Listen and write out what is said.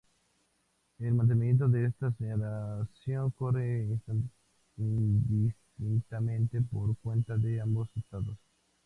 El mantenimiento de esta señalización corre indistintamente por cuenta de ambos estados.